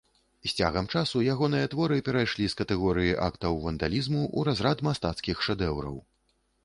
З цягам часу ягоныя творы перайшлі з катэгорыі актаў вандалізму ў разрад мастацкіх шэдэўраў.